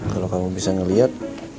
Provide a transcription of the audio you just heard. kalau kamu bisa ngeliat